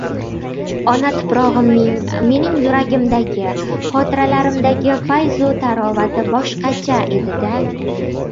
Ona tuprog‘imning mening yuragimdagi, xotiralarimdagi fayzu tarovati boshqacha edi-da!..